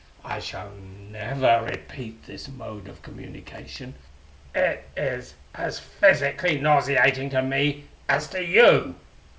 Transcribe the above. "I shall never repeat this mode of communication: it is as physically nauseating to me as to you.